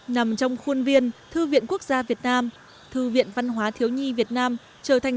nằm trong khuôn viên thư viện quốc gia việt nam thư viện văn hóa thiếu nhi việt nam trở thành